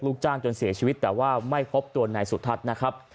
จ้างจนเสียชีวิตแต่ว่าไม่พบตัวนายสุทัศน์นะครับ